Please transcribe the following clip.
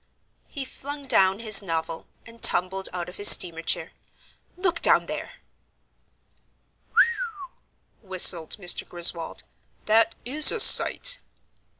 He flung down his novel and tumbled out of his steamer chair. "Look down there!" "Whew!" whistled Mr. Griswold; "that is a sight!"